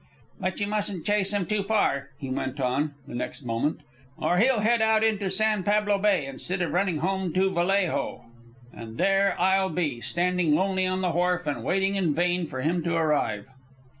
"But you mustn't chase him too far," he went on, the next moment, "or he'll head out into San Pablo Bay instead of running home to Vallejo, and there I'll be, standing lonely on the wharf and waiting in vain for him to arrive."